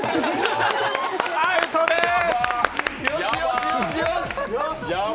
アウトでーす！